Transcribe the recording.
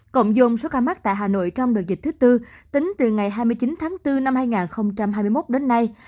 cộng dồn số ca mắc tại hà nội trong đợt dịch thứ tư tính từ ngày hai mươi chín tháng bốn năm hai nghìn hai mươi một đến nay